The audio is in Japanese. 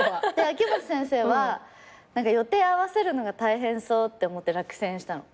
秋元先生は予定合わせるのが大変そうって思って落選したの。